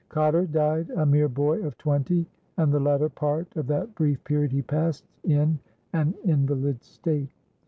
Cotter died a mere boy of twenty, and the latter part of that brief period he passed in an invalid state.